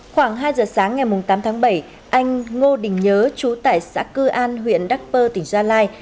khoảng hai giờ sáng ngày tám tháng bảy anh ngô đình nhớ chú tại xã cư an huyện đắc pơ tỉnh gia lai